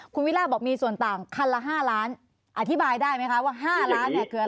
คุณวิล่าบอกมีส่วนต่างคันละ๕ล้านอธิบายได้ไหมคะว่า๕ล้านเนี่ยคืออะไร